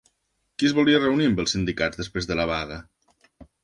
Qui es volia reunir amb els sindicats després de la vaga?